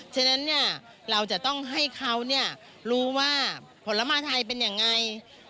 ฉะนั้นเราจะต้องให้เขารู้ว่าผลไม้ไทยเป็นยังไง